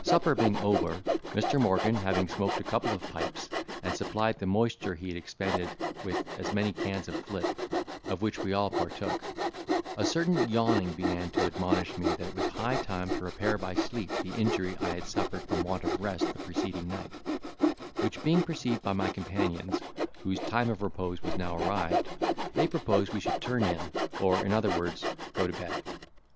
Supper being over, Mr. Morgan having smoked a couple of pipes, and supplied the moisture he had expended with as many cans of flip, of which we all partook, a certain yawning began to admonish me that it was high time to repair by sleep the injury I had suffered from want of rest the preceding night; which being perceived by my companions, whose time of repose was now arrived, they proposed we should turn in, or in other words, go to bed.